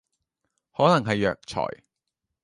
可能係藥材